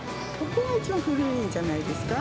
ここが一番古いんじゃないですか。